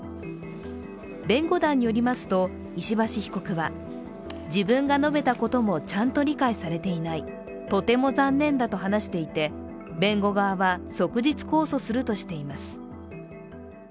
弁護団によりますと、石橋被告は自分が述べたこともちゃんと理解されていない、とても残念だと話していて弁護側は即日控訴するとしています。